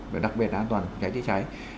và đặc biệt là an toàn trái trái trái